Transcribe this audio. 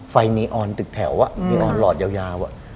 ไฟนีออนตึกแถวมีออนหลอดยาว